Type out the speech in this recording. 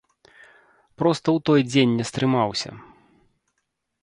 Проста ў той дзень не стрымаўся.